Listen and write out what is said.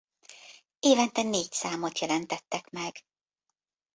Évente négy számot jelentettek meg.